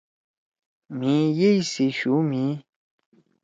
مھی یئی سی شُو مھی